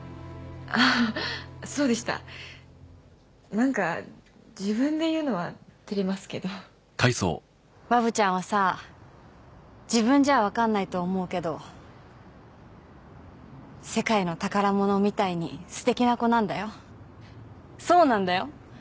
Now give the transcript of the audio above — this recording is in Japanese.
あっそうでしたなんか自分で言うのはてれますけどわぶちゃんはさ自分じゃわかんないと思うけど世界の宝物みたいにすてきな子なんだよそうなんだよ